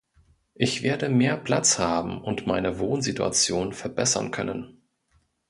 Ich werde mehr Platz haben und meine Wohnsituation verbessern können.